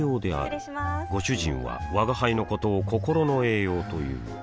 失礼しまーすご主人は吾輩のことを心の栄養という